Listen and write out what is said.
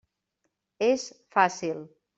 És fàcil.